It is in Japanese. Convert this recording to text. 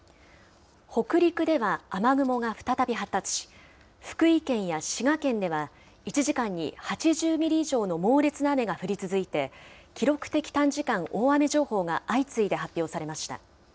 北陸では雨雲が再び発達し、福井県や滋賀県では、１時間に８０ミリ以上の猛烈な雨が降り続いて、記録的短時間大雨情報が相次いで発表されました。